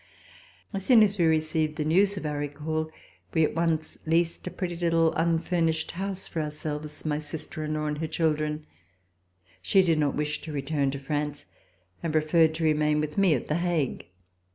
As soon as we received the news of our recall, we at once leased a pretty little unfurnished house, for our selves, my sister in law and her children. She did not wish to return to France and preferred to remain with me at The Hague.